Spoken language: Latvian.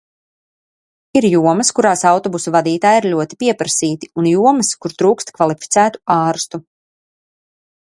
Ir jomas, kurās autobusu vadītāji ir ļoti pieprasīti, un jomas, kur trūkst kvalificētu ārstu.